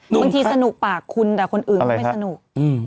บางทีสนุกปากคุณแต่คนอื่นก็ไม่สนุก